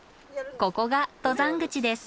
ここが登山口です。